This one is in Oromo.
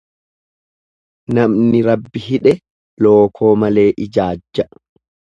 Namni Rabbi hidhe lookoo malee ijaajja.